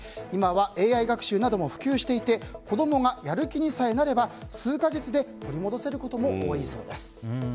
今はＡＩ学習なども普及していて子供がやる気にさえなれば数か月で取り戻せることも多いそうです。